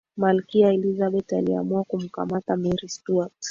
malkia elizabeth aliamua kumkamata mary stuart